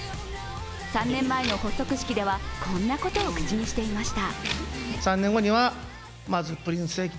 ３年前の発足式ではこんなことを口にしていました。